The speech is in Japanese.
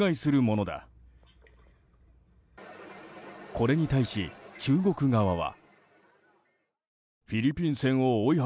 これに対し、中国側は。